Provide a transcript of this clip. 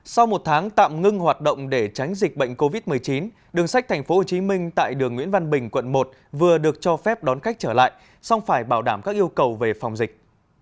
sau một tháng tạm ngưng hoạt động để tránh dịch bệnh covid một mươi chín đường sách tp hcm tại đường nguyễn văn bình quận một vừa được cho phép đón khách trở lại song phải bảo đảm các yêu cầu về phòng dịch